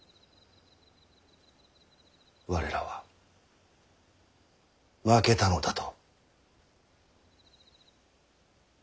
我らは負けたのだと。